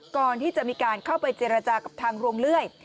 ก่อนที่จะมีการเข้าไปเจรจากับทางโรงเลื่อย